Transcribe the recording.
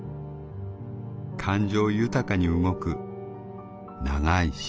感情豊かに動く長いしっぽ。